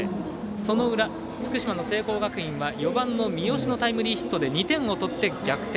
その裏、福島の聖光学院は４番、三好のタイムリーヒットで２点を取って逆転。